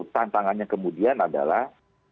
tantangannya kemudian adalah